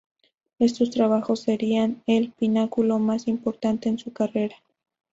Estos trabajos serían el pináculo más importante en su carrera.